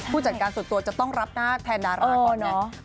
จัดการส่วนตัวจะต้องรับหน้าแทนดาราก่อนไง